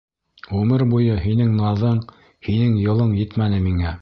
Ғүмер буйы һинең наҙың, һинең йылың етмәне миңә.